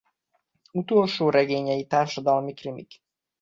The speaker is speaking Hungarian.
Utolsó regényei társadalmi krimik.